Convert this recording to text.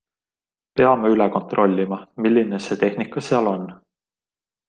Peame üle kontrollima, milline see tehnika seal on.